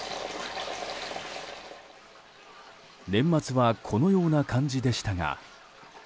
年末はこのような感じでしたが。